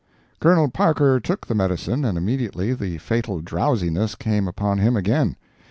Colonel Parker took the medicine, and immediately the fatal drowsiness came upon him again.